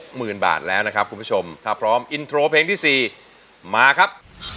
หมื่นบาทแล้วนะครับคุณผู้ชมถ้าพร้อมอินโทรเพลงที่๔มาครับ